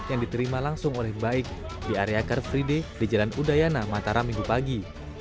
yang diterima langsung oleh baik di area karfride di jalan udayana mataram minggu pagi